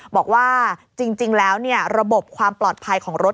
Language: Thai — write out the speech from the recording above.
บอกว่าจริงแล้วระบบความปลอดภัยของรถ